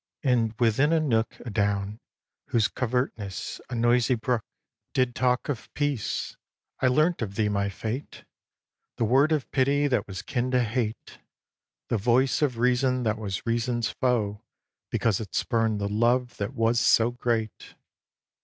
And within a nook A down whose covertness a noisy brook Did talk of peace, I learnt of thee my fate; The word of pity that was kin to hate, The voice of reason that was reason's foe Because it spurn'd the love that was so great!